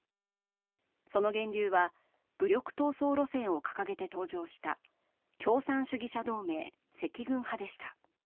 その源流は、武力闘争路線を掲げて登場した共産主義者同盟赤軍派でした。